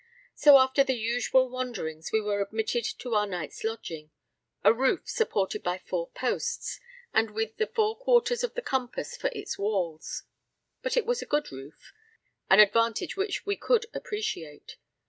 So after the usual wanderings we were admitted to our night's lodging a roof supported by four posts, and with the four quarters of the compass for its walls. But it was a good roof an advantage which we could appreciate.